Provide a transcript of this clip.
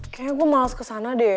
kayaknya gue males kesana deh